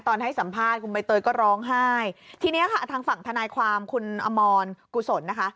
ให้สัมภาษณ์คุณใบเตยก็ร้องไห้ทีเนี้ยค่ะทางฝั่งทนายความคุณอมรกุศลนะคะ